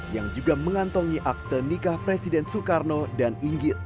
yang juga mengantongi akte nikah presiden soekarno dan inggit